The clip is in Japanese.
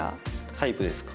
タイプですか？